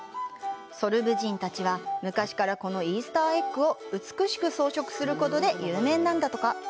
ソルブ人たちは昔からこのイースター・エッグを美しく装飾することで有名なんだとか。